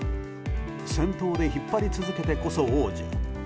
先頭で引っ張り続けてこそ王者。